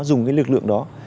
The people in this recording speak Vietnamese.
dùng cái lực lượng đó